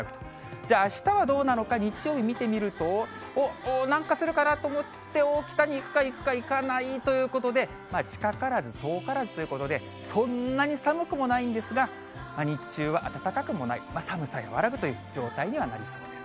じゃあ、あしたはどうなのか、日曜日見てみると、おっ、南下するかなと思って、北に行くか、行くか、行かないということで、近からず遠からずということで、そんなに寒くもないんですが、日中は暖かくもない、寒さ和らぐという状態にはなりそうです。